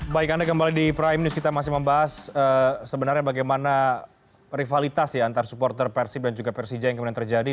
baik anda kembali di prime news kita masih membahas sebenarnya bagaimana rivalitas ya antara supporter persib dan juga persija yang kemudian terjadi